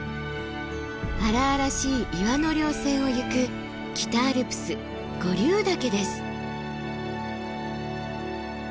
荒々しい岩の稜線をゆく北アルプス五竜岳です。